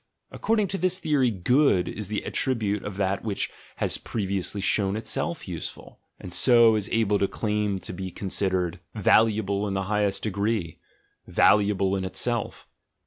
According to this theory, "good" is the attribute of that which has previ ously shown itself useful; and so is able to claim to be considered "valuable in the highest degree," "valuable in itself."